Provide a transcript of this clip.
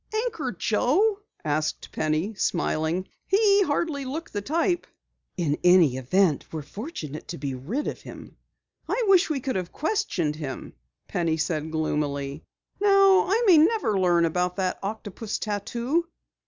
"Anchor Joe?" asked Penny, smiling. "He hardly looked the type." "In any event, we're fortunate to be rid of him." "I wish we could have questioned him," Penny said gloomily. "Now I may never learn about that octopus tattoo."